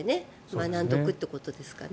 学んでおくということですかね。